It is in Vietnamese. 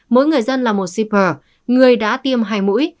mỗi người dân là một shipper người đã tiêm hai mũi